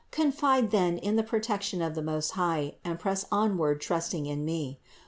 Confide then in the protection of the Most High and press onward trusting in me.